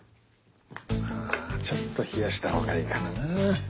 あちょっと冷やしたほうがいいかな？